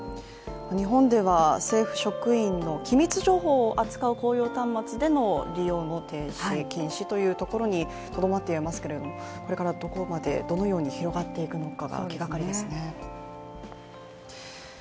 日本では政府職員の機密情報を扱う公用端末での利用の停止、禁止というところにとどまっていますけれどもこれからどこまで、どのように広がっていくのかが気がかりですね。